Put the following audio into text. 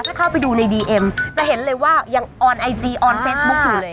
ถ้าเข้าไปดูในดีเอ็มจะเห็นเลยว่ายังออนไอจีออนเฟซบุ๊คอยู่เลย